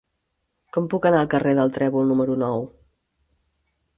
Com puc anar al carrer del Trèvol número nou?